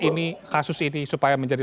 ini kasus ini supaya menjadi